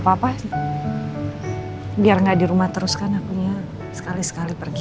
apa apa biar nggak di rumah teruskan aku ya sekali sekali pergi